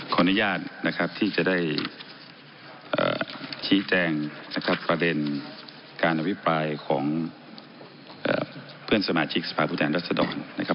ขออนุญาตที่จะได้ชี้แจงประเด็นการวิปรายของเพื่อนสมาชิกสภาพุทธแห่งรัฐธรรม